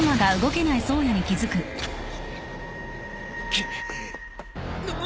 くっ。